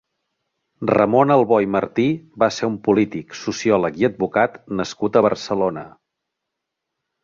Ramon Albó i Martí va ser un polític, sociòleg i advocat nascut a Barcelona.